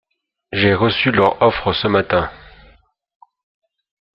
J'ai reçu leur offre ce matin.